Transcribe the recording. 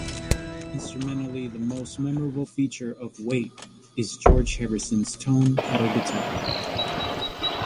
Instrumentally, the most memorable feature of "Wait" is George Harrison's tone pedal guitar.